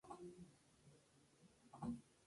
Sus padres fueron Juan Cobo y Catalina de Peralta.